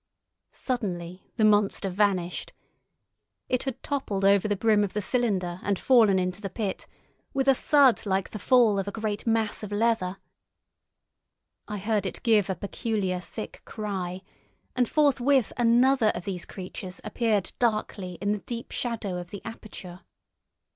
Suddenly the monster vanished. It had toppled over the brim of the cylinder and fallen into the pit, with a thud like the fall of a great mass of leather. I heard it give a peculiar thick cry, and forthwith another of these creatures appeared darkly in the deep shadow of the aperture.